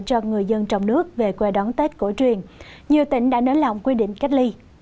cho người dân trong nước về quê đón tết cổ truyền nhiều tỉnh đã nới lỏng quy định cách ly